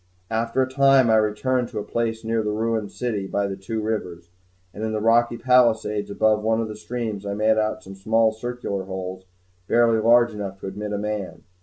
After a time I returned to a place near the ruined city by the two rivers; and in the rocky palisades above one of the streams, I made out some small circular holes barely large enough to admit a man.